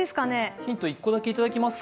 ヒント１個だけいただきますか。